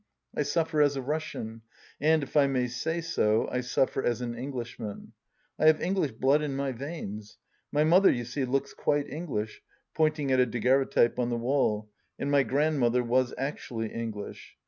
"I suffer as a Russian, and, if I may say so, I suffer as an Englishman. I have English blood in my veins. My mother, you see, looks quite English," pointing to a daguerreotype on the wail, "and my grand mother was actually English.